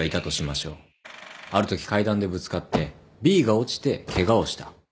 あるとき階段でぶつかってＢが落ちてケガをした。